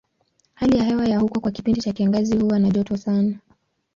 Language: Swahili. Hali ya hewa ya huko kwa kipindi cha kiangazi huwa na joto sana.